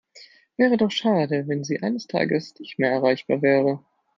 Wäre doch schade, wenn Sie eines Tages nicht mehr erreichbar wäre.